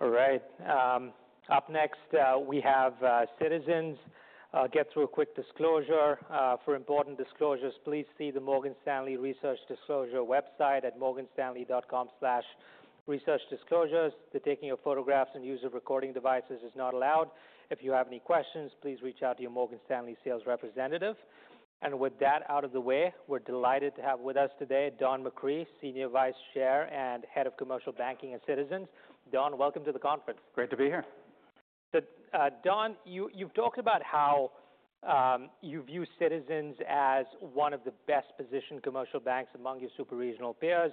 All right. Up next, we have Citizens. I'll get through a quick disclosure. For important disclosures, please see the Morgan Stanley Research Disclosure website at morganstanley.com/researchdisclosures. The taking of photographs and use of recording devices is not allowed. If you have any questions, please reach out to your Morgan Stanley sales representative. With that out of the way, we're delighted to have with us today Don McCree, Senior Vice Chair and Head of Commercial Banking at Citizens. Don, welcome to the conference. Great to be here. Don, you've talked about how you view Citizens as one of the best-positioned commercial banks among your super regional peers.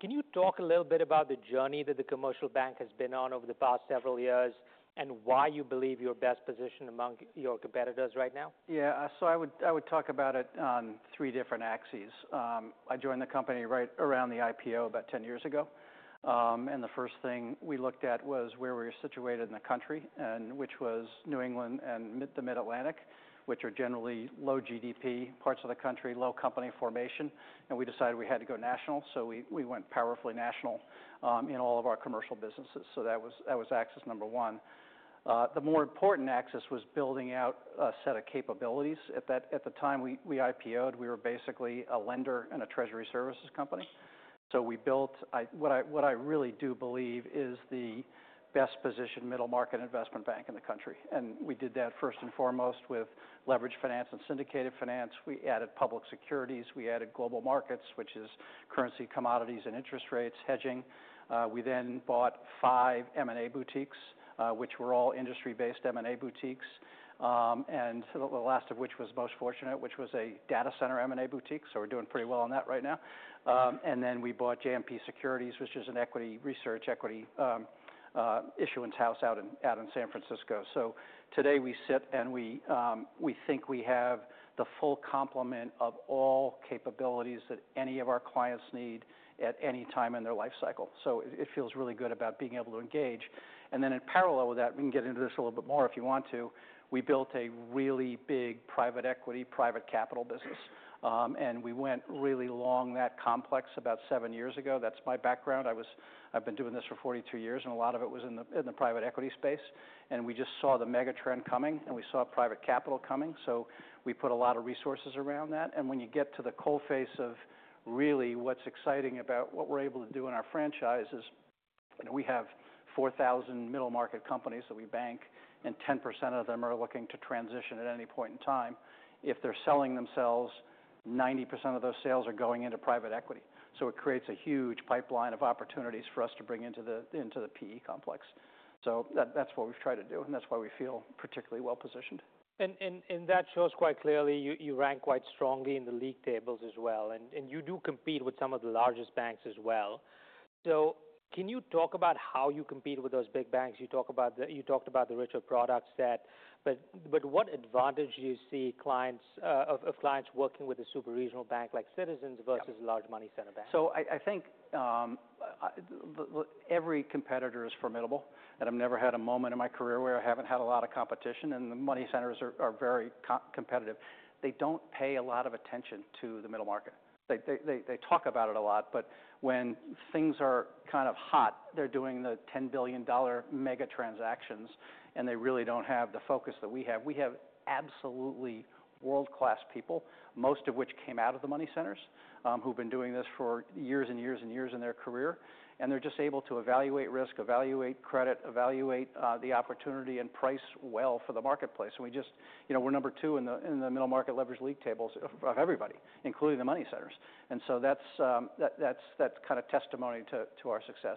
Can you talk a little bit about the journey that the commercial bank has been on over the past several years and why you believe you're best positioned among your competitors right now? Yeah, so I would talk about it on three different axes. I joined the company right around the IPO about 10 years ago. The first thing we looked at was where we were situated in the country, which was New England and the Mid-Atlantic, which are generally low GDP parts of the country, low company formation. We decided we had to go national, so we went powerfully national in all of our commercial businesses. That was axis number one. The more important axis was building out a set of capabilities. At that time we IPO'd, we were basically a lender and a treasury services company. We built, I, what I really do believe is the best-positioned middle market investment bank in the country. We did that first and foremost with leverage finance and syndicated finance. We added public securities, we added global markets, which is currency, commodities, and interest rates hedging. We then bought five M&A boutiques, which were all industry-based M&A boutiques, and the last of which was Most Fortunate, which was a data center M&A boutique. We are doing pretty well on that right now. We then bought JMP Securities, which is an equity research, equity issuance house out in San Francisco. Today we sit and we think we have the full complement of all capabilities that any of our clients need at any time in their life cycle. It feels really good about being able to engage. In parallel with that, we can get into this a little bit more if you want to. We built a really big private equity, private capital business. We went really long that complex about seven years ago. That's my background. I've been doing this for 42 years, and a lot of it was in the private equity space. We just saw the mega trend coming, and we saw private capital coming. We put a lot of resources around that. When you get to the coalface of really what's exciting about what we're able to do in our franchises, you know, we have 4,000 middle market companies that we bank, and 10% of them are looking to transition at any point in time. If they're selling themselves, 90% of those sales are going into private equity. It creates a huge pipeline of opportunities for us to bring into the, into the PE complex. That, that's what we've tried to do, and that's why we feel particularly well positioned. That shows quite clearly you rank quite strongly in the league tables as well. You do compete with some of the largest banks as well. Can you talk about how you compete with those big banks? You talked about the richer products, but what advantage do you see clients, of clients working with a super regional bank like Citizens versus a large money center bank? I think every competitor is formidable. I've never had a moment in my career where I haven't had a lot of competition. The money centers are very co-competitive. They don't pay a lot of attention to the middle market. They talk about it a lot, but when things are kind of hot, they're doing the $10 billion mega transactions, and they really don't have the focus that we have. We have absolutely world-class people, most of which came out of the money centers, who've been doing this for years and years and years in their career. They're just able to evaluate risk, evaluate credit, evaluate the opportunity, and price well for the marketplace. We just, you know, we're number two in the middle market leverage league tables of everybody, including the money centers. That's kind of testimony to our success.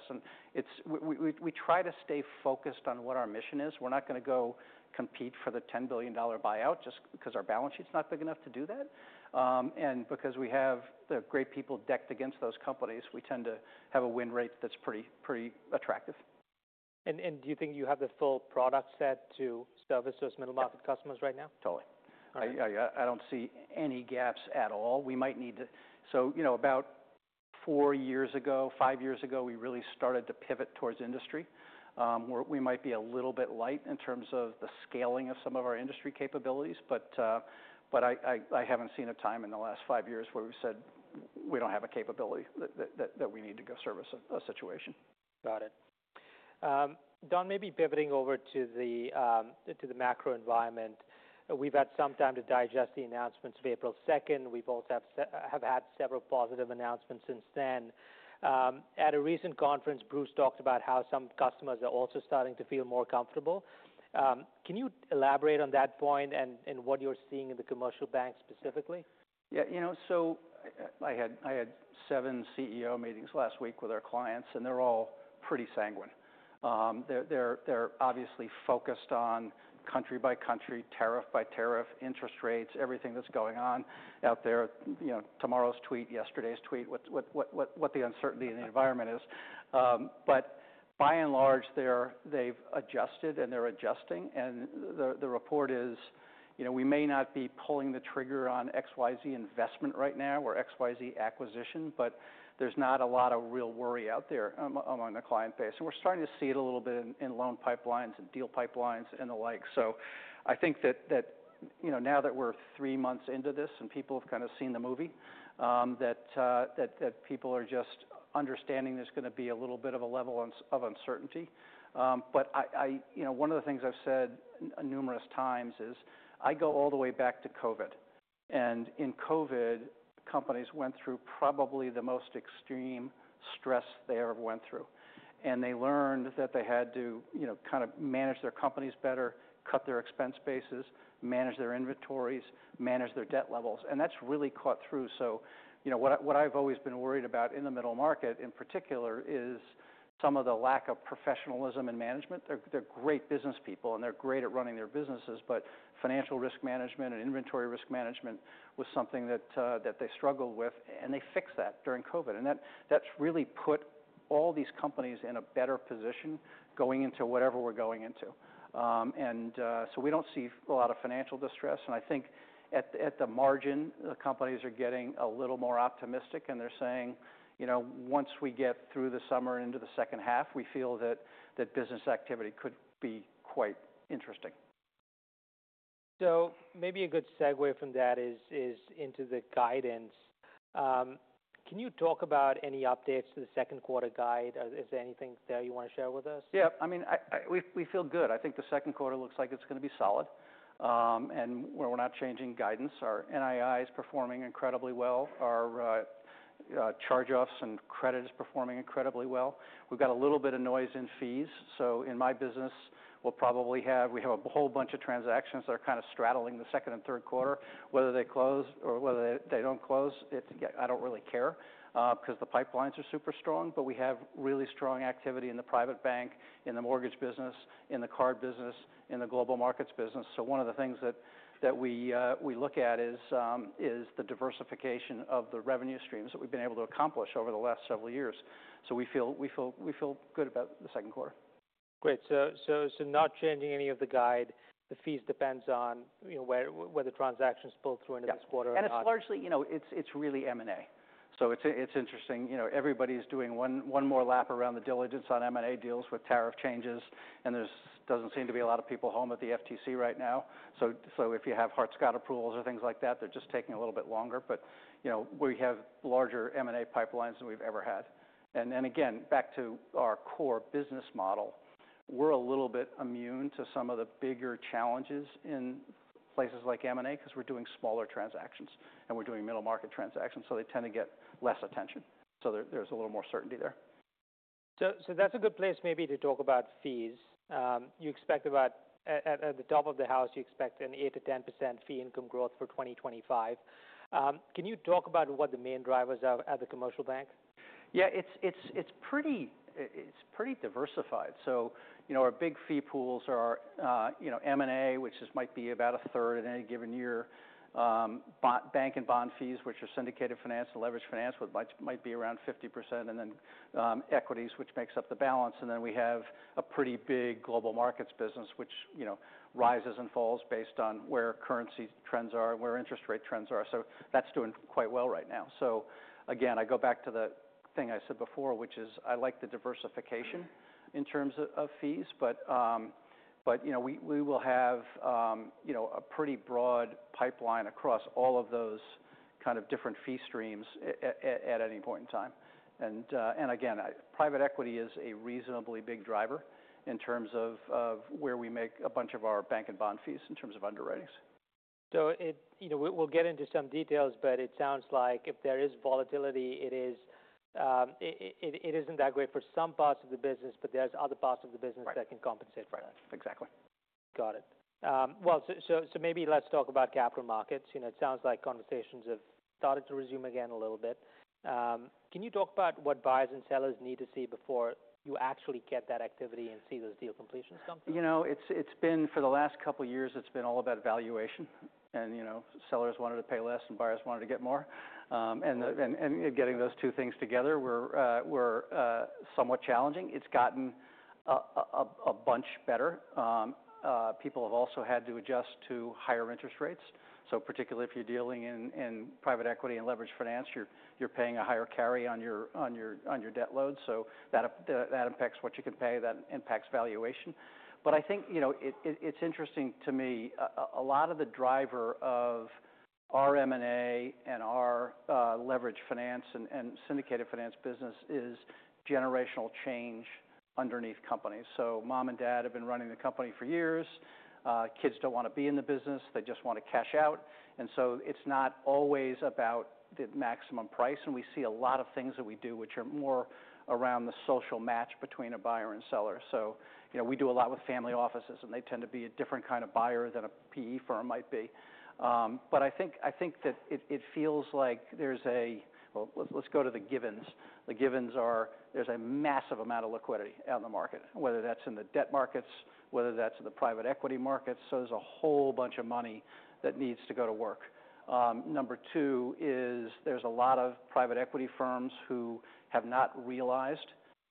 We try to stay focused on what our mission is. We're not gonna go compete for the $10 billion buyout just 'cause our balance sheet's not big enough to do that. Because we have the great people decked against those companies, we tend to have a win rate that's pretty attractive. Do you think you have the full product set to service those middle market customers right now? Totally. All right. I don't see any gaps at all. We might need to, you know, about four years ago, five years ago, we really started to pivot towards industry. We might be a little bit light in terms of the scaling of some of our industry capabilities, but I haven't seen a time in the last five years where we've said we don't have a capability that we need to go service a situation. Got it. Don, maybe pivoting over to the macro environment. We've had some time to digest the announcements of April 2nd. We both have had several positive announcements since then. At a recent conference, Bruce talked about how some customers are also starting to feel more comfortable. Can you elaborate on that point and what you're seeing in the commercial bank specifically? Yeah, you know, so I had seven CEO meetings last week with our clients, and they're all pretty sanguine. They're obviously focused on country by country, tariff by tariff, interest rates, everything that's going on out there, you know, tomorrow's tweet, yesterday's tweet, what the uncertainty in the environment is. By and large, they've adjusted and they're adjusting. The report is, you know, we may not be pulling the trigger on XYZ investment right now or XYZ acquisition, but there's not a lot of real worry out there among the client base. We're starting to see it a little bit in loan pipelines and deal pipelines and the like. I think that, you know, now that we're three months into this and people have kind of seen the movie, people are just understanding there's gonna be a little bit of a level of uncertainty. I, you know, one of the things I've said numerous times is I go all the way back to COVID. In COVID, companies went through probably the most extreme stress they ever went through. They learned that they had to, you know, kind of manage their companies better, cut their expense bases, manage their inventories, manage their debt levels. That's really caught through. You know, what I've always been worried about in the middle market in particular is some of the lack of professionalism in management. They're great business people and they're great at running their businesses, but financial risk management and inventory risk management was something that they struggled with. And they fixed that during COVID. That has really put all these companies in a better position going into whatever we're going into. We do not see a lot of financial distress. I think at the margin, the companies are getting a little more optimistic. They're saying, you know, once we get through the summer and into the second half, we feel that business activity could be quite interesting. Maybe a good segue from that is into the guidance. Can you talk about any updates to the second quarter guide? Is there anything there you wanna share with us? Yeah, I mean, we feel good. I think the second quarter looks like it's gonna be solid. We're not changing guidance. Our NII is performing incredibly well. Our charge-offs and credit is performing incredibly well. We've got a little bit of noise in fees. In my business, we'll probably have a whole bunch of transactions that are kind of straddling the second and third quarter, whether they close or whether they don't close. I don't really care, 'cause the pipelines are super strong, but we have really strong activity in the private bank, in the mortgage business, in the card business, in the global markets business. One of the things that we look at is the diversification of the revenue streams that we've been able to accomplish over the last several years. We feel good about the second quarter. Great. Not changing any of the guide, the fees depends on, you know, where the transactions pull through into this quarter. Yep. And it's largely, you know, it's, it's really M&A. It's interesting, you know, everybody's doing one more lap around the diligence on M&A deals with tariff changes. There doesn't seem to be a lot of people home at the FTC right now. If you have Hart-Scott approvals or things like that, they're just taking a little bit longer. You know, we have larger M&A pipelines than we've ever had. Again, back to our core business model, we're a little bit immune to some of the bigger challenges in places like M&A 'cause we're doing smaller transactions and we're doing middle market transactions. They tend to get less attention. There is a little more certainty there. So that's a good place maybe to talk about fees. You expect about, at the top of the house, you expect an 8-10% fee income growth for 2025. Can you talk about what the main drivers are at the commercial bank? Yeah, it's pretty diversified. You know, our big fee pools are, you know, M&A, which just might be about a third in any given year. Bank and bond fees, which are syndicated finance and leverage finance, might be around 50%. Then equities, which makes up the balance. We have a pretty big global markets business, which, you know, rises and falls based on where currency trends are and where interest rate trends are. That's doing quite well right now. I go back to the thing I said before, which is I like the diversification in terms of fees. You know, we will have a pretty broad pipeline across all of those different fee streams at any point in time. Private equity is a reasonably big driver in terms of where we make a bunch of our bank and bond fees in terms of underwritings. It, you know, we'll get into some details, but it sounds like if there is volatility, it isn't that great for some parts of the business, but there are other parts of the business that can compensate for that. Right. Exactly. Got it. So, maybe let's talk about capital markets. You know, it sounds like conversations have started to resume again a little bit. Can you talk about what buyers and sellers need to see before you actually get that activity and see those deal completions come through? You know, it's been for the last couple of years, it's been all about valuation. And, you know, sellers wanted to pay less and buyers wanted to get more, and getting those two things together were somewhat challenging. It's gotten a bunch better. People have also had to adjust to higher interest rates. So particularly if you're dealing in private equity and leverage finance, you're paying a higher carry on your debt load. That impacts what you can pay. That impacts valuation. But I think, you know, it's interesting to me, a lot of the driver of our M&A and our leverage finance and syndicated finance business is generational change underneath companies. So mom and dad have been running the company for years. Kids don't wanna be in the business. They just wanna cash out. It is not always about the maximum price. We see a lot of things that we do, which are more around the social match between a buyer and seller. You know, we do a lot with family offices, and they tend to be a different kind of buyer than a PE firm might be. I think it feels like there is a, well, let's go to the givens. The givens are, there is a massive amount of liquidity out in the market, whether that is in the debt markets or in the private equity markets. There is a whole bunch of money that needs to go to work. Number two is there are a lot of private equity firms who have not realized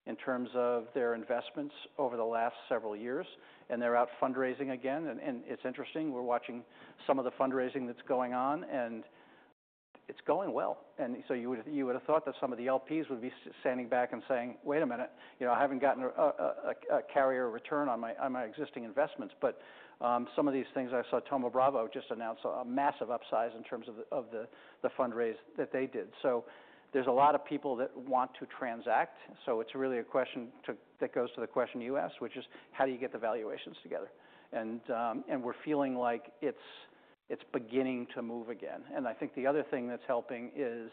in terms of their investments over the last several years, and they are out fundraising again. It's interesting. We're watching some of the fundraising that's going on, and it's going well. You would have thought that some of the LPs would be standing back and saying, "Wait a minute, you know, I haven't gotten a carrier return on my existing investments." Some of these things I saw, Thoma Bravo just announced a massive upsize in terms of the fundraise that they did. There's a lot of people that want to transact. It really goes to the question you asked, which is how do you get the valuations together? We're feeling like it's beginning to move again. I think the other thing that's helping is,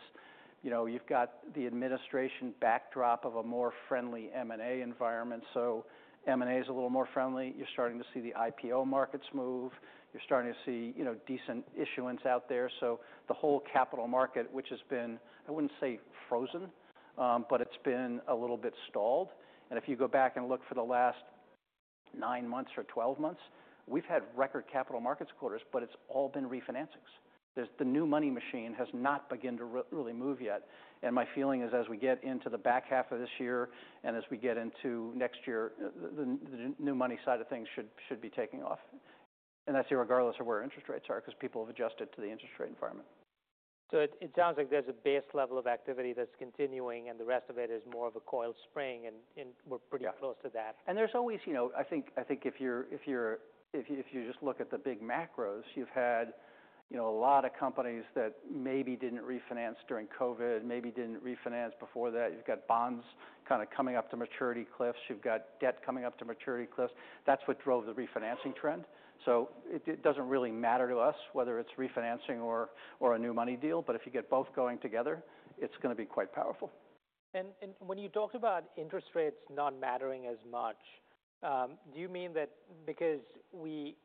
you know, you've got the administration backdrop of a more friendly M&A environment. M&A is a little more friendly. You're starting to see the IPO markets move. You're starting to see, you know, decent issuance out there. The whole capital market, which has been, I wouldn't say frozen, but it's been a little bit stalled. If you go back and look for the last nine months or 12 months, we've had record capital markets quarters, but it's all been refinancings. The new money machine has not begun to really move yet. My feeling is as we get into the back half of this year and as we get into next year, the new money side of things should be taking off. That's irregardless of where interest rates are 'cause people have adjusted to the interest rate environment. It sounds like there's a base level of activity that's continuing, and the rest of it is more of a coiled spring. We are pretty close to that. Yeah. There's always, you know, I think if you just look at the big macros, you've had, you know, a lot of companies that maybe did not refinance during COVID, maybe did not refinance before that. You've got bonds kind of coming up to maturity cliffs. You've got debt coming up to maturity cliffs. That's what drove the refinancing trend. It does not really matter to us whether it is refinancing or a new money deal. If you get both going together, it is going to be quite powerful. When you talked about interest rates not mattering as much, do you mean that because we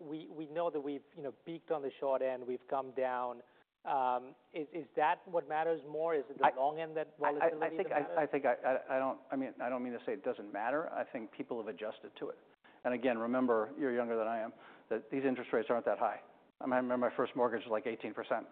know that we've peaked on the short end, we've come down, is that what matters more? Is it the long end, that volatility? I think, I think I, I don't, I mean, I don't mean to say it doesn't matter. I think people have adjusted to it. Again, remember, you're younger than I am, that these interest rates aren't that high. I mean, I remember my first mortgage was like 18%.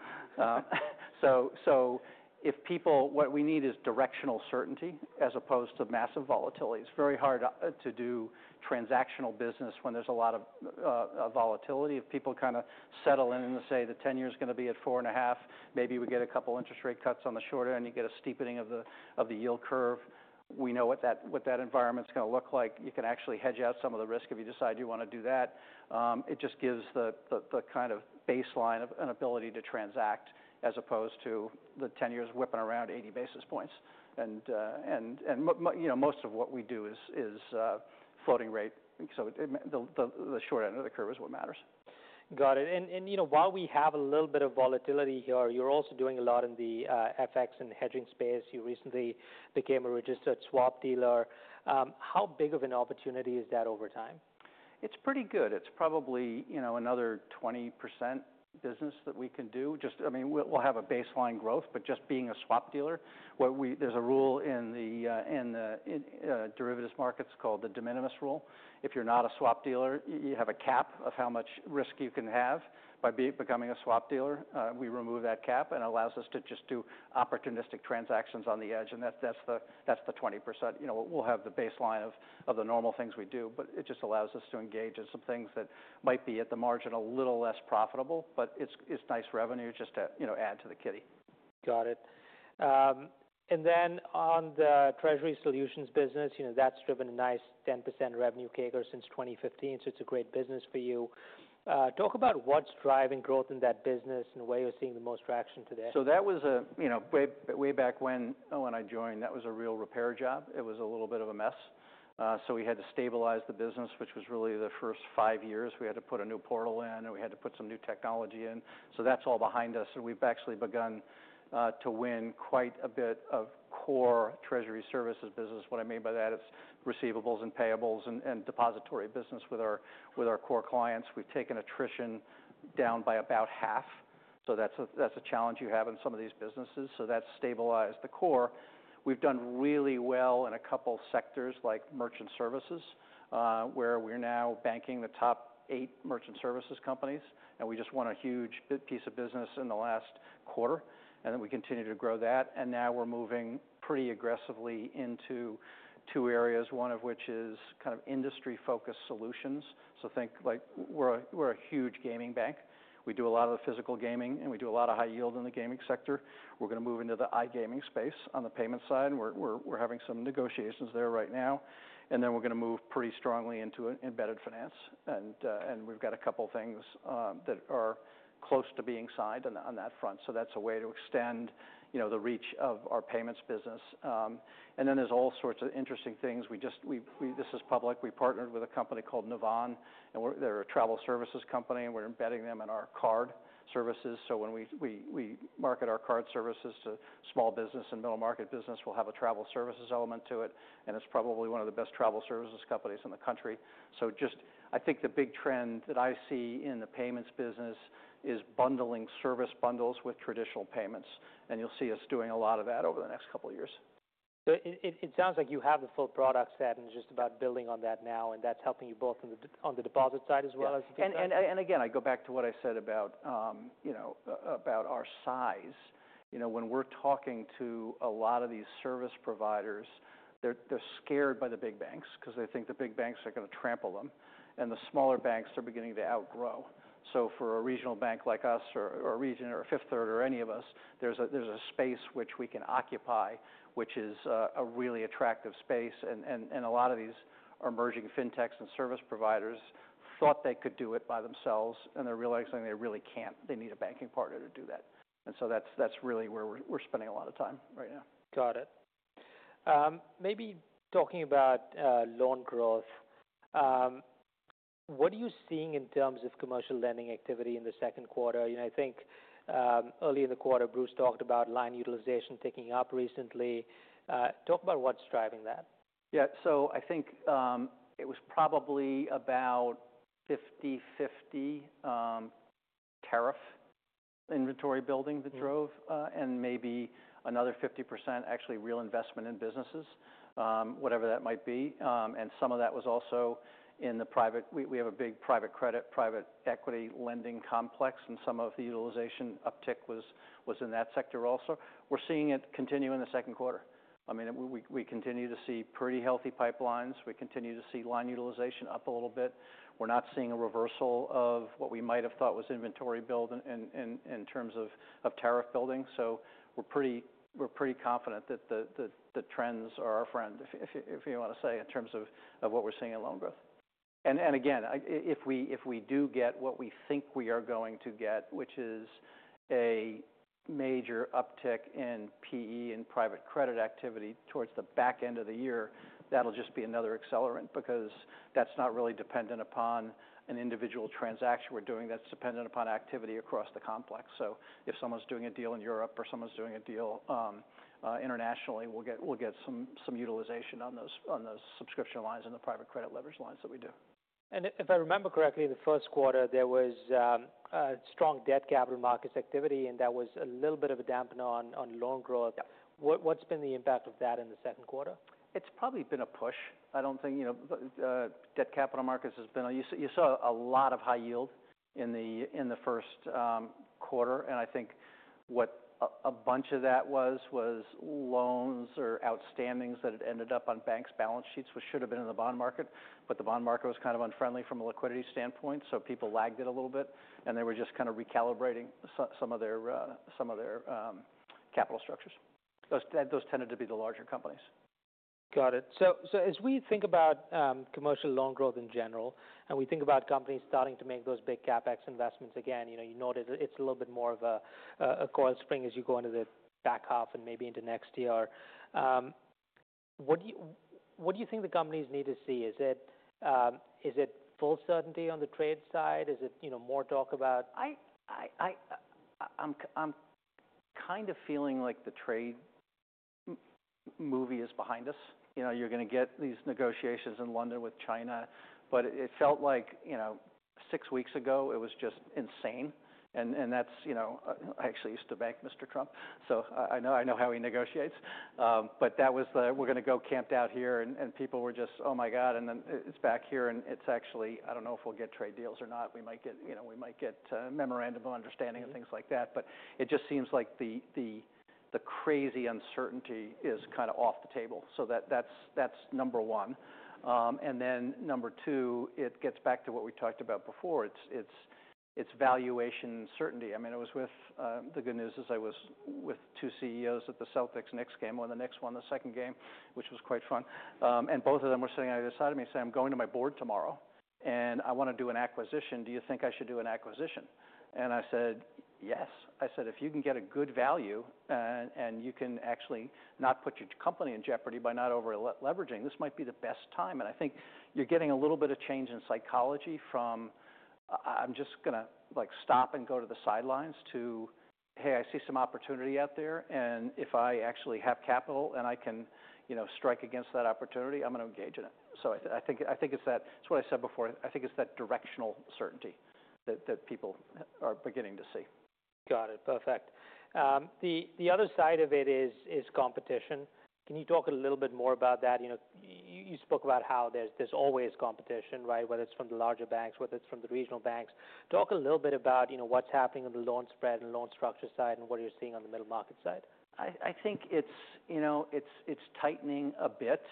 If people, what we need is directional certainty as opposed to massive volatility. It's very hard to do transactional business when there's a lot of volatility. If people kind of settle in and say the 10 year's gonna be at four and a half, maybe we get a couple interest rate cuts on the short end, you get a steepening of the yield curve. We know what that environment's gonna look like. You can actually hedge out some of the risk if you decide you wanna do that. It just gives the kind of baseline of an ability to transact as opposed to the 10 years whipping around 80 basis points. You know, most of what we do is floating rate. The short end of the curve is what matters. Got it. And, you know, while we have a little bit of volatility here, you're also doing a lot in the FX and hedging space. You recently became a registered swap dealer. How big of an opportunity is that over time? It's pretty good. It's probably, you know, another 20% business that we can do. Just, I mean, we'll have a baseline growth, but just being a swap dealer, what we, there's a rule in the derivatives markets called the de minimis rule. If you're not a swap dealer, you have a cap of how much risk you can have. By becoming a swap dealer, we remove that cap and it allows us to just do opportunistic transactions on the edge. And that's the 20%. You know, we'll have the baseline of the normal things we do, but it just allows us to engage in some things that might be at the margin a little less profitable, but it's nice revenue just to, you know, add to the kitty. Got it. And then on the treasury solutions business, you know, that's driven a nice 10% revenue kicker since 2015. So it's a great business for you. Talk about what's driving growth in that business and where you're seeing the most traction today. That was a, you know, way, way back when, when I joined, that was a real repair job. It was a little bit of a mess. We had to stabilize the business, which was really the first five years. We had to put a new portal in and we had to put some new technology in. That is all behind us. We have actually begun to win quite a bit of core treasury services business. What I mean by that is receivables and payables and depository business with our core clients. We have taken attrition down by about half. That is a challenge you have in some of these businesses. That has stabilized the core. We have done really well in a couple sectors like merchant services, where we are now banking the top eight merchant services companies. We just won a huge piece of business in the last quarter. We continue to grow that. Now we're moving pretty aggressively into two areas, one of which is kind of industry-focused solutions. Think like we're a huge gaming bank. We do a lot of the physical gaming and we do a lot of high yield in the gaming sector. We're gonna move into the iGaming space on the payment side. We're having some negotiations there right now. We're gonna move pretty strongly into embedded finance. We've got a couple things that are close to being signed on that front. That's a way to extend the reach of our payments business. There are all sorts of interesting things. We just, we, this is public. We partnered with a company called Navan and they're a travel services company and we're embedding them in our card services. When we market our card services to small business and middle market business, we'll have a travel services element to it. It's probably one of the best travel services companies in the country. I think the big trend that I see in the payments business is bundling service bundles with traditional payments. You'll see us doing a lot of that over the next couple of years. It sounds like you have the full product set and just about building on that now. That's helping you both on the deposit side as well as the deposit side. I go back to what I said about, you know, about our size. You know, when we're talking to a lot of these service providers, they're scared by the big banks because they think the big banks are going to trample them. And the smaller banks are beginning to outgrow. For a regional bank like us or a Region or a Fifth Third or any of us, there's a space which we can occupy, which is a really attractive space. A lot of these emerging fintechs and service providers thought they could do it by themselves, and they're realizing they really can't. They need a banking partner to do that. That's really where we're spending a lot of time right now. Got it. Maybe talking about loan growth, what are you seeing in terms of commercial lending activity in the second quarter? You know, I think early in the quarter, Bruce talked about line utilization ticking up recently. Talk about what's driving that. Yeah. I think it was probably about 50/50, tariff inventory building that drove, and maybe another 50% actually real investment in businesses, whatever that might be. Some of that was also in the private, we have a big private credit, private equity lending complex, and some of the utilization uptick was in that sector also. We're seeing it continue in the second quarter. I mean, we continue to see pretty healthy pipelines. We continue to see line utilization up a little bit. We're not seeing a reversal of what we might've thought was inventory build in terms of tariff building. We're pretty confident that the trends are our friend, if you want to say, in terms of what we're seeing in loan growth. If we do get what we think we are going to get, which is a major uptick in PE and private credit activity towards the back end of the year, that'll just be another accelerant because that's not really dependent upon an individual transaction we're doing. That's dependent upon activity across the complex. If someone's doing a deal in Europe or someone's doing a deal internationally, we'll get some utilization on those subscription lines and the private credit leverage lines that we do. If I remember correctly, the first quarter there was strong debt capital markets activity, and that was a little bit of a dampener on loan growth. Yeah. What, what's been the impact of that in the second quarter? It's probably been a push. I don't think, you know, debt capital markets has been a, you saw a lot of high yield in the, in the first quarter. I think what a bunch of that was, was loans or outstandings that had ended up on banks' balance sheets, which should have been in the bond market, but the bond market was kind of unfriendly from a liquidity standpoint. People lagged it a little bit, and they were just kind of recalibrating some of their capital structures. Those tended to be the larger companies. Got it. As we think about commercial loan growth in general, and we think about companies starting to make those big CapEx investments again, you know, you notice it's a little bit more of a coil spring as you go into the back half and maybe into next year. What do you think the companies need to see? Is it full certainty on the trade side? Is it, you know, more talk about. I'm kind of feeling like the trade movie is behind us. You know, you're gonna get these negotiations in London with China. It felt like, you know, six weeks ago, it was just insane. That's, you know, I actually used to bank Mr. Trump. I know how he negotiates. That was the, we're gonna go camped out here and people were just, "Oh my God." Then it's back here and it's actually, I don't know if we'll get trade deals or not. We might get, you know, we might get a memorandum of understanding and things like that. It just seems like the crazy uncertainty is kind of off the table. That's number one. Number two, it gets back to what we talked about before. It's valuation uncertainty. I mean, the good news is I was with two CEOs at the Celtics Knicks game when the Knicks won the second game, which was quite fun. Both of them were sitting on either side of me saying, "I'm going to my board tomorrow, and I wanna do an acquisition. Do you think I should do an acquisition?" I said, "Yes." I said, "If you can get a good value and you can actually not put your company in jeopardy by not over-leveraging, this might be the best time." I think you're getting a little bit of change in psychology from, "I'm just gonna like stop and go to the sidelines" to, "Hey, I see some opportunity out there. If I actually have capital and I can, you know, strike against that opportunity, I'm gonna engage in it. I think it's that, it's what I said before. I think it's that directional certainty that people are beginning to see. Got it. Perfect. The other side of it is competition. Can you talk a little bit more about that? You know, you spoke about how there's always competition, right? Whether it's from the larger banks, whether it's from the regional banks. Talk a little bit about, you know, what's happening on the loan spread and loan structure side and what you're seeing on the middle market side. I think it's, you know, it's tightening a bit.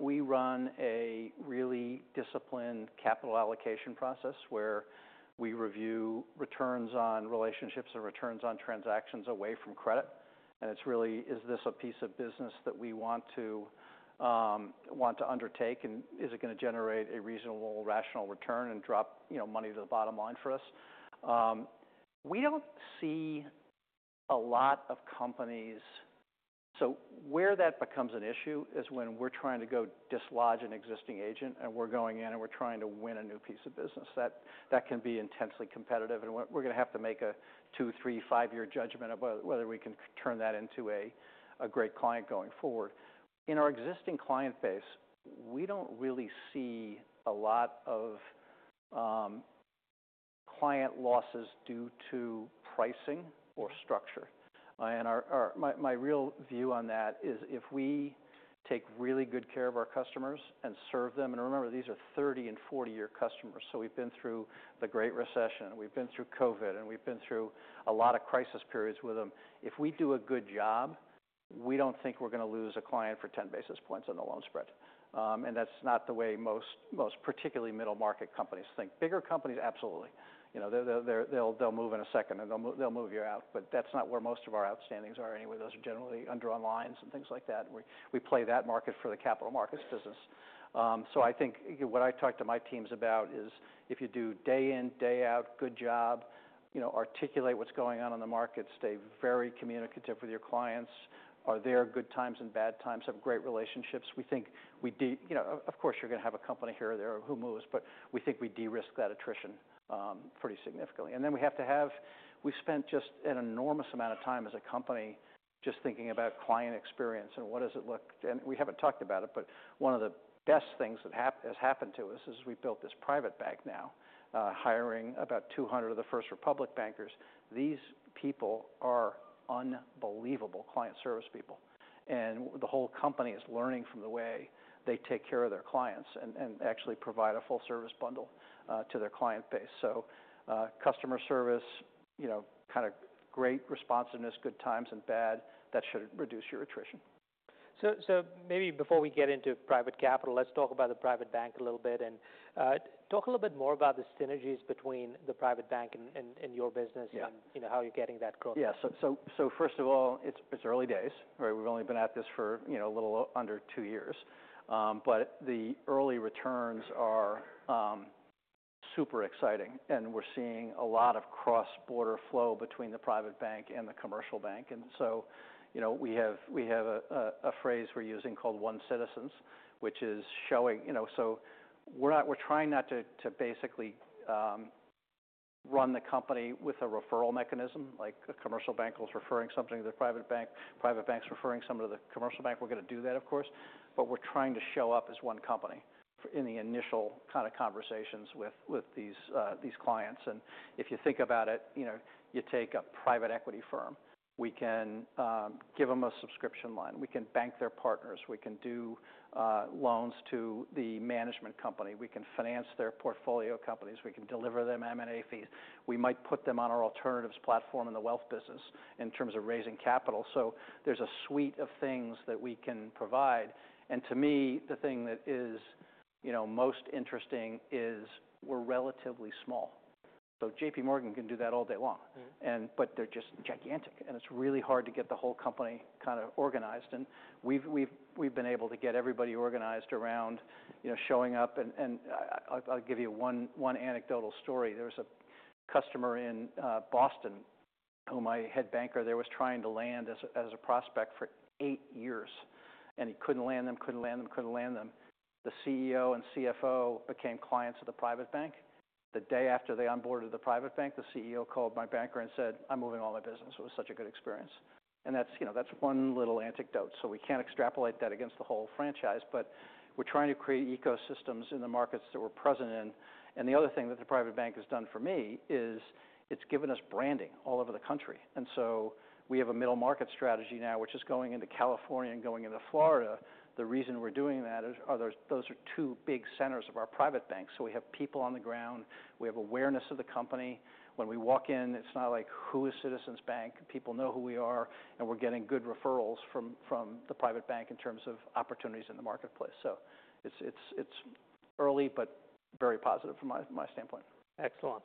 We run a really disciplined capital allocation process where we review returns on relationships and returns on transactions away from credit. And it's really, is this a piece of business that we want to undertake? And is it gonna generate a reasonable, rational return and drop, you know, money to the bottom line for us? We don't see a lot of companies. Where that becomes an issue is when we're trying to go dislodge an existing agent and we're going in and we're trying to win a new piece of business. That can be intensely competitive. We're gonna have to make a two-, three-, five-year judgment about whether we can turn that into a great client going forward. In our existing client base, we do not really see a lot of client losses due to pricing or structure. My real view on that is if we take really good care of our customers and serve them, and remember, these are 30- and 40-year customers. We have been through the Great Recession, and we have been through COVID, and we have been through a lot of crisis periods with them. If we do a good job, we do not think we are going to lose a client for 10 basis points on the loan spread. That is not the way most, most particularly middle market companies think. Bigger companies, absolutely. You know, they will move in a second and they will move you out. That is not where most of our outstandings are anyway. Those are generally under on lines and things like that. We play that market for the capital markets business. I think what I talk to my teams about is if you do day in, day out, good job, you know, articulate what's going on in the market, stay very communicative with your clients, are there good times and bad times, have great relationships. We think we de-risk that attrition pretty significantly. We have to have, we've spent just an enormous amount of time as a company just thinking about client experience and what does it look, and we haven't talked about it, but one of the best things that has happened to us is we built this private bank now, hiring about 200 of the First Republic bankers. These people are unbelievable client service people. The whole company is learning from the way they take care of their clients and, and actually provide a full service bundle to their client base. Customer service, you know, kind of great responsiveness, good times and bad, that should reduce your attrition. Maybe before we get into private capital, let's talk about the private bank a little bit and talk a little bit more about the synergies between the private bank and your business and, you know, how you're getting that growth. Yeah. First of all, it's early days, right? We've only been at this for a little under two years, but the early returns are super exciting. We're seeing a lot of cross-border flow between the private bank and the commercial bank. We have a phrase we're using called one citizens, which is showing, you know, we're trying not to basically run the company with a referral mechanism like a commercial bank goes referring something to the private bank, private banks referring someone to the commercial bank. We're gonna do that, of course, but we're trying to show up as one company in the initial kind of conversations with these clients. If you think about it, you know, you take a private equity firm, we can give them a subscription line. We can bank their partners. We can do loans to the management company. We can finance their portfolio companies. We can deliver them M&A fees. We might put them on our alternatives platform in the wealth business in terms of raising capital. There is a suite of things that we can provide. To me, the thing that is, you know, most interesting is we're relatively small. JP Morgan can do that all day long. Mm-hmm. They're just gigantic. It's really hard to get the whole company kind of organized. We've been able to get everybody organized around, you know, showing up. I'll give you one anecdotal story. There was a customer in Boston whom my head banker there was trying to land as a prospect for eight years. He couldn't land them, couldn't land them, couldn't land them. The CEO and CFO became clients of the private bank. The day after they onboarded the private bank, the CEO called my banker and said, "I'm moving all my business." It was such a good experience. That's, you know, that's one little anecdote. We can't extrapolate that against the whole franchise, but we're trying to create ecosystems in the markets that we're present in. The other thing that the private bank has done for me is it's given us branding all over the country. We have a middle market strategy now, which is going into California and going into Florida. The reason we're doing that is, those are two big centers of our private bank. We have people on the ground. We have awareness of the company. When we walk in, it's not like, "Who is Citizens Bank?" People know who we are, and we're getting good referrals from the private bank in terms of opportunities in the marketplace. It's early, but very positive from my standpoint. Excellent.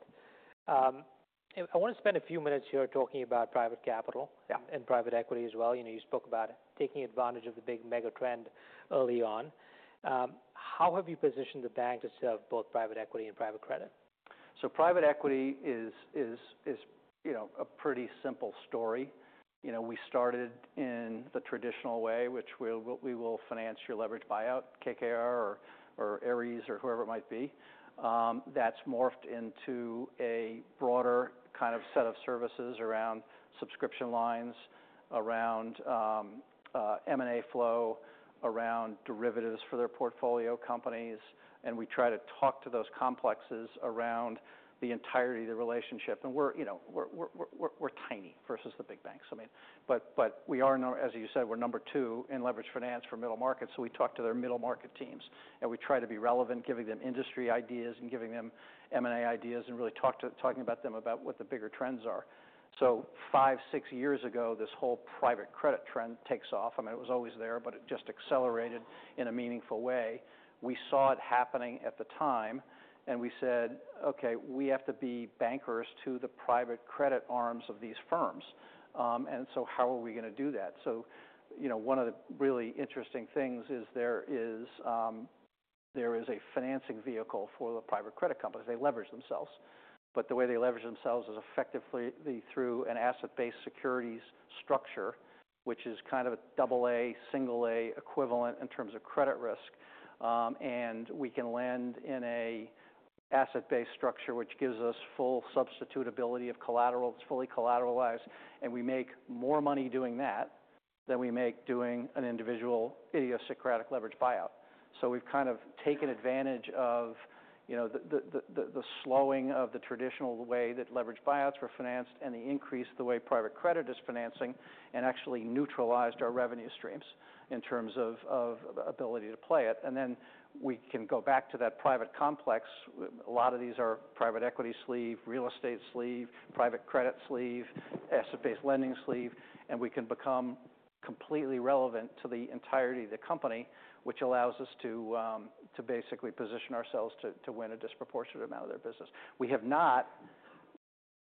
I wanna spend a few minutes here talking about private capital. Yeah. Private equity as well. You know, you spoke about taking advantage of the big mega trend early on. How have you positioned the bank to serve both private equity and private credit? Private equity is, you know, a pretty simple story. You know, we started in the traditional way, which we'll, we will finance your leverage buyout, KKR or Ares or whoever it might be. That's morphed into a broader kind of set of services around subscription lines, around M&A flow, around derivatives for their portfolio companies. We try to talk to those complexes around the entirety of the relationship. We're, you know, we're tiny versus the big banks, I mean. But we are number, as you said, we're number two in leverage finance for middle markets. We talk to their middle market teams, and we try to be relevant, giving them industry ideas and giving them M&A ideas and really talking to them about what the bigger trends are. Five, six years ago, this whole private credit trend takes off. I mean, it was always there, but it just accelerated in a meaningful way. We saw it happening at the time, and we said, "Okay, we have to be bankers to the private credit arms of these firms." So how are we gonna do that? You know, one of the really interesting things is there is a financing vehicle for the private credit companies. They leverage themselves. The way they leverage themselves is effectively through an asset-based securities structure, which is kind of a double A, single A equivalent in terms of credit risk. We can lend in an asset-based structure, which gives us full substitutability of collateral. It is fully collateralized. We make more money doing that than we make doing an individual idiosyncratic leverage buyout. We have kind of taken advantage of, you know, the slowing of the traditional way that leverage buyouts were financed and the increase in the way private credit is financing and actually neutralized our revenue streams in terms of ability to play it. Then we can go back to that private complex. A lot of these are private equity sleeve, real estate sleeve, private credit sleeve, asset-based lending sleeve. We can become completely relevant to the entirety of the company, which allows us to basically position ourselves to win a disproportionate amount of their business. We have not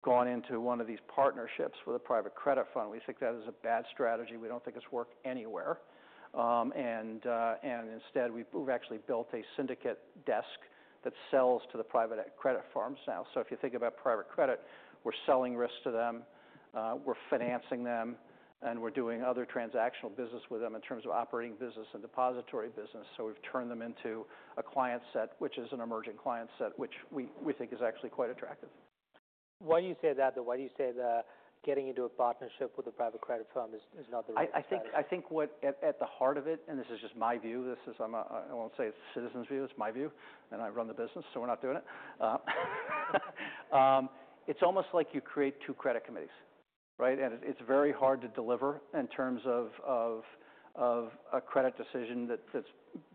gone into one of these partnerships with a private credit fund. We think that is a bad strategy. We do not think it has worked anywhere, and instead, we have actually built a syndicate desk that sells to the private credit firms now. If you think about private credit, we're selling risk to them. We're financing them, and we're doing other transactional business with them in terms of operating business and depository business. We've turned them into a client set, which is an emerging client set, which we think is actually quite attractive. Why do you say that? Why do you say that getting into a partnership with a private credit firm is, is not the right thing? I think what at the heart of it, and this is just my view, this is, I won't say it's Citizens' view, it's my view, and I run the business, so we're not doing it. It's almost like you create two credit committees, right? It's very hard to deliver in terms of a credit decision that's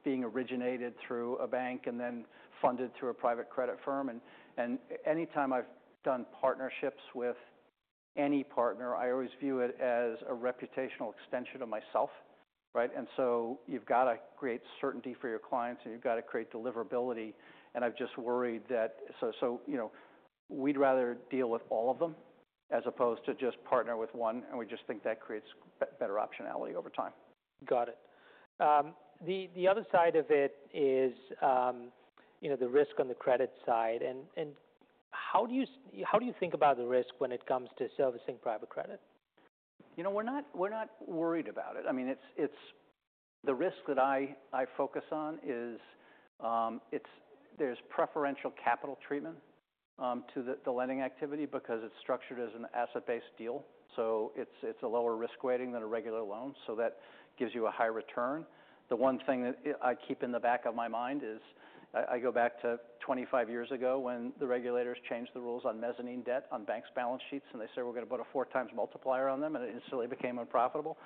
being originated through a bank and then funded through a private credit firm. Anytime I've done partnerships with any partner, I always view it as a reputational extension of myself, right? You've got to create certainty for your clients, and you've got to create deliverability. I've just worried that, you know, we'd rather deal with all of them as opposed to just partner with one. We just think that creates better optionality over time. Got it. The other side of it is, you know, the risk on the credit side. And how do you, how do you think about the risk when it comes to servicing private credit? You know, we're not, we're not worried about it. I mean, it's, it's the risk that I focus on is, it's, there's preferential capital treatment to the lending activity because it's structured as an asset-based deal. So it's a lower risk rating than a regular loan. That gives you a higher return. The one thing that I keep in the back of my mind is I go back to 25 years ago when the regulators changed the rules on mezzanine debt on banks' balance sheets, and they said, "We're gonna put a four times multiplier on them," and it instantly became unprofitable.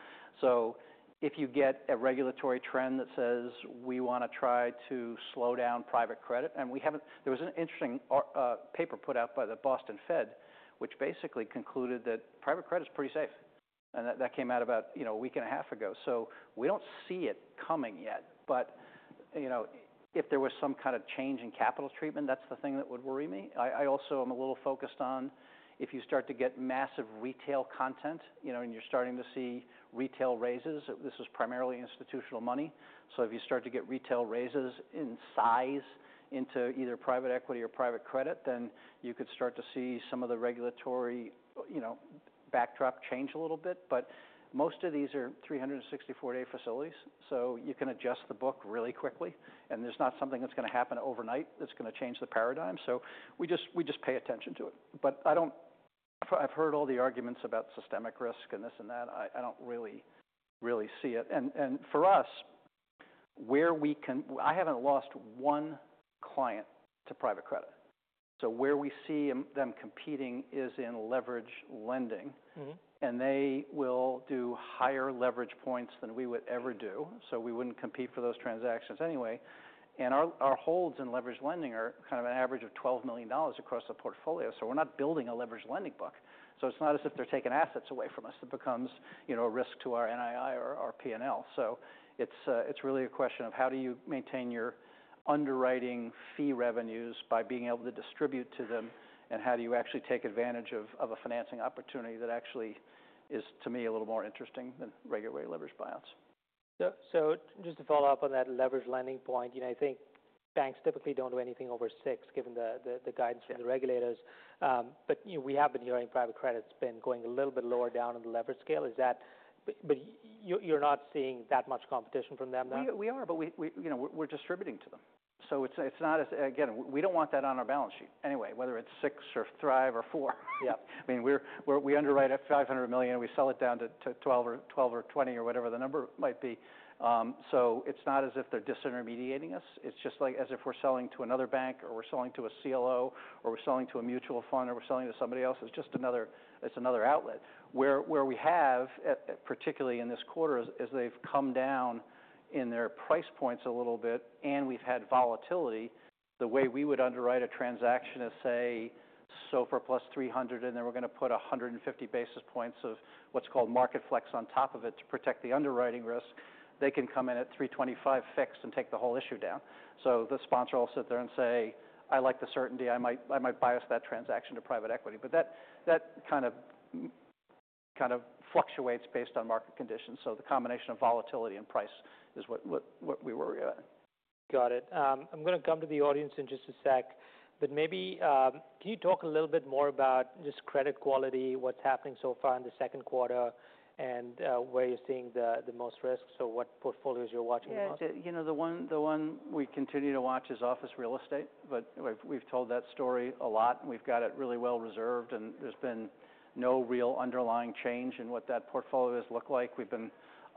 If you get a regulatory trend that says, "We wanna try to slow down private credit," and we haven't, there was an interesting paper put out by the Boston Fed, which basically concluded that private credit's pretty safe. That came out about, you know, a week and a half ago. We do not see it coming yet. If there was some kind of change in capital treatment, that is the thing that would worry me. I also am a little focused on if you start to get massive retail content, you know, and you are starting to see retail raises, this is primarily institutional money. If you start to get retail raises in size into either private equity or private credit, then you could start to see some of the regulatory, you know, backdrop change a little bit. Most of these are 364-day facilities, so you can adjust the book really quickly. There is not something that is going to happen overnight that is going to change the paradigm. We just pay attention to it. I have heard all the arguments about systemic risk and this and that. I do not really, really see it. For us, where we can, I have not lost one client to private credit. Where we see them competing is in leverage lending. Mm-hmm. They will do higher leverage points than we would ever do. We would not compete for those transactions anyway. Our holds in leverage lending are kind of an average of $12 million across the portfolio. We are not building a leverage lending book. It is not as if they are taking assets away from us. It becomes, you know, a risk to our NII or our P&L. It is really a question of how do you maintain your underwriting fee revenues by being able to distribute to them? How do you actually take advantage of a financing opportunity that actually is, to me, a little more interesting than regularly leveraged buyouts? Just to follow up on that leverage lending point, you know, I think banks typically do not do anything over six, given the guidance from the regulators. But, you know, we have been hearing private credit's been going a little bit lower down on the leverage scale. Is that, but, but you're, you're not seeing that much competition from them now? We are, but we, you know, we're distributing to them. It's not as, again, we don't want that on our balance sheet anyway, whether it's six or thrive or four. Yeah. I mean, we're, we underwrite at $500 million. We sell it down to 12 or 12 or 20 or whatever the number might be. It's not as if they're disintermediating us. It's just like as if we're selling to another bank or we're selling to a CLO or we're selling to a mutual fund or we're selling to somebody else. It's just another, it's another outlet. Where we have, particularly in this quarter, is they've come down in their price points a little bit, and we've had volatility. The way we would underwrite a transaction is say, Soper plus 300, and then we're gonna put 150 basis points of what's called market flex on top of it to protect the underwriting risk. They can come in at 325 fixed and take the whole issue down. The sponsor will sit there and say, "I like the certainty. I might, I might bias that transaction to private equity." That kind of fluctuates based on market conditions. The combination of volatility and price is what we worry about. Got it. I'm gonna come to the audience in just a sec, but maybe, can you talk a little bit more about just credit quality, what's happening so far in the second quarter, and where you're seeing the most risk? What portfolios you're watching? Yeah, you know, the one, the one we continue to watch is office real estate, but we've, we've told that story a lot. We've got it really well reserved, and there's been no real underlying change in what that portfolio has looked like. We've been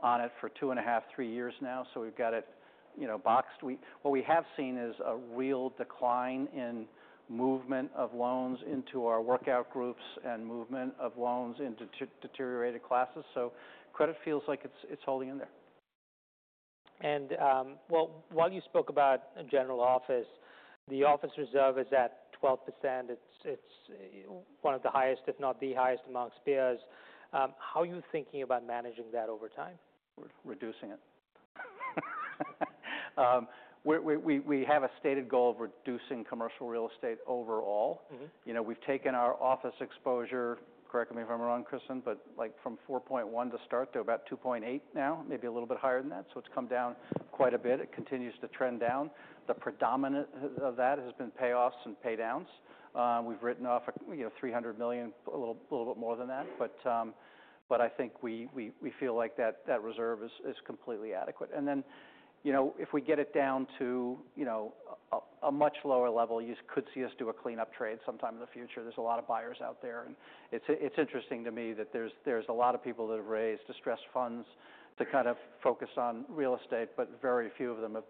on it for two and a half, three years now. So we've got it, you know, boxed. What we have seen is a real decline in movement of loans into our workout groups and movement of loans into deteriorated classes. So credit feels like it's, it's holding in there. While you spoke about general office, the office reserve is at 12%. It's one of the highest, if not the highest amongst peers. How are you thinking about managing that over time? Reducing it. We have a stated goal of reducing commercial real estate overall. Mm-hmm. You know, we've taken our office exposure, correct me if I'm wrong, Kristen, but like from 4.1 to start to about 2.8 now, maybe a little bit higher than that. It has come down quite a bit. It continues to trend down. The predominant of that has been payoffs and paydowns. We've written off a, you know, $300 million, a little, a little bit more than that. I think we feel like that reserve is completely adequate. If we get it down to a much lower level, you could see us do a cleanup trade sometime in the future. There's a lot of buyers out there. It's interesting to me that there's a lot of people that have raised distressed funds to kind of focus on real estate, but very few of them have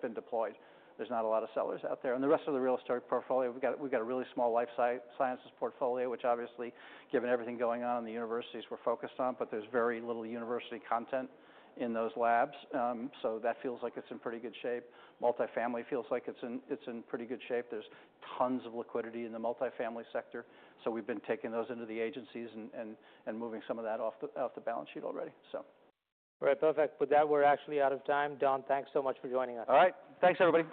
been deployed. There's not a lot of sellers out there. The rest of the real estate portfolio, we've got a really small life sciences portfolio, which obviously, given everything going on in the universities, we're focused on, but there's very little university content in those labs. That feels like it's in pretty good shape. Multifamily feels like it's in pretty good shape. There's tons of liquidity in the multifamily sector. We've been taking those into the agencies and moving some of that off the balance sheet already. All right. Perfect. With that, we're actually out of time. Don, thanks so much for joining us. All right. Thanks, everybody.